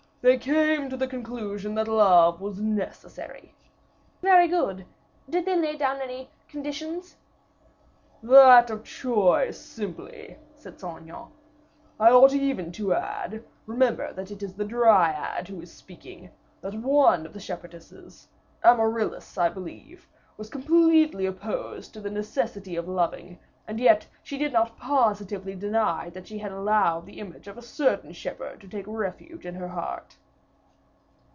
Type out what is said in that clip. "They came to the conclusion that love was necessary." "Very good! Did they lay down any conditions?" "That of choice, simply," said Saint Aignan. "I ought even to add, remember it is the Dryad who is speaking, that one of the shepherdesses, Amaryllis, I believe, was completely opposed to the necessity of loving, and yet she did not positively deny that she had allowed the image of a certain shepherd to take refuge in her heart."